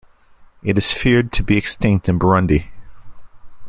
It is feared to be extinct in Burundi.